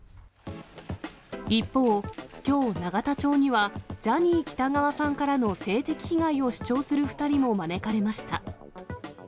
一方、きょう、永田町には、ジャニー喜多川さんからの性的被害を主張する２人も招かれました。